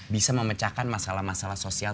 bisa memecahkan masalah masalah sosial